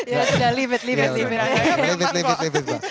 ya sudah libit libit